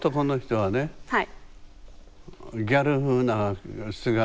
はい。